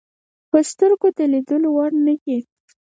په سترګو د لیدلو وړ نه دي.